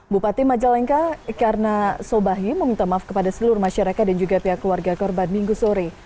bupati majalengka karena sobahi meminta maaf kepada seluruh masyarakat dan juga pihak keluarga korban minggu sore